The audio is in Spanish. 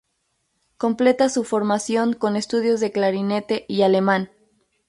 Completa su formación con estudios de clarinete y alemán.